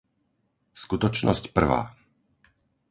Skutočnosť prvá!